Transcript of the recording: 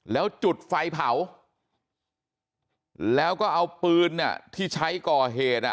แล้วจุดไฟเผาแล้วก็เอาปืนที่ใช้ก่อเหตุ